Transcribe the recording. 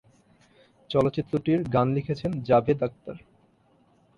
চলচ্চিত্রটির গান লিখেছেন জাভেদ আখতার।